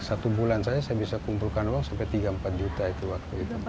satu bulan saya bisa mengumpulkan uang sampai tiga puluh empat juta itu waktu itu